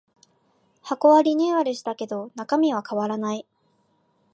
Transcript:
箱はリニューアルしたけど中身は変わらない